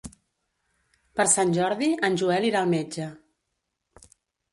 Per Sant Jordi en Joel irà al metge.